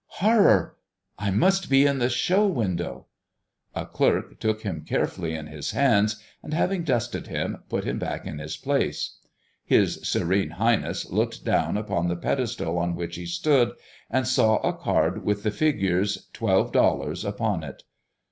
"Horror! I must be in the show window!" A clerk took him carefully in his hands, and having dusted him, put him back in his place. His Serene Highness looked down upon the pedestal on which he stood, and saw a card with the figures $12.00 upon it.